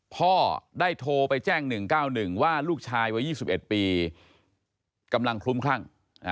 พ่อได้โทรไปแจ้ง๑๙๑ว่าลูกชายวัย๒๑ปีกำลังคลุ้มคลั่ง